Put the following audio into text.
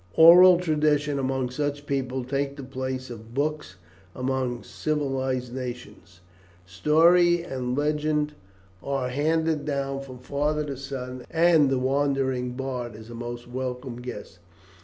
Oral tradition among such peoples takes the place of books among civilized nations. Story and legend are handed down from father to son, and the wandering bard is a most welcome guest.